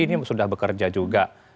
ini sudah bekerja juga